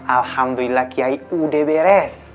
alhamdulillah kiai udah beres